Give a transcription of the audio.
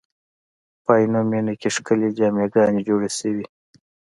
په عینومېنه کې ښکلې جامع ګانې جوړې شوې.